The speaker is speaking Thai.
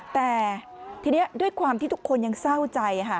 แต่ทีนี้ด้วยความที่ทุกคนยังเศร้าใจค่ะ